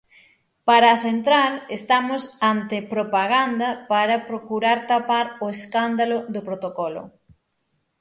Para a central estamos "ante "propaganda para procurar tapar o escándalo do protocolo.